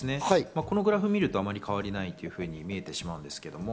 このグラフを見ると変わりないと見えてしまうんですけれども。